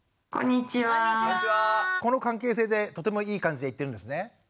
この関係性でとてもいい感じでいってるんですね？